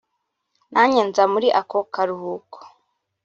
nanjye nza muri ako karuhuko